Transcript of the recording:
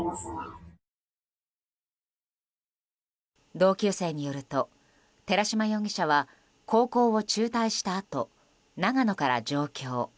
同級生によると寺島容疑者は高校を中退したあと長野から上京。